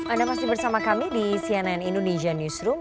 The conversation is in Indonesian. anda masih bersama kami di cnn indonesia newsroom